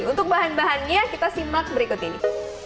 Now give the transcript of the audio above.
untuk bahan bahannya kita simak berikut ini